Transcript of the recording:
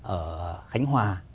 ở khánh hòa